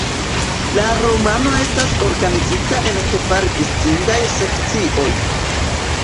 La romano estas organizita en kvar distingaj sekcioj.